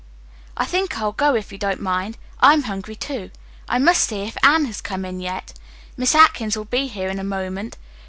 "I think I'll go if you don't mind. I'm hungry, too. I must see if Anne has come in yet. Miss Atkins will be here in a moment.